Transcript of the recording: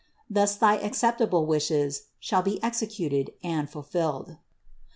Thus thy acceptable wishes shall be executed and fulfilled."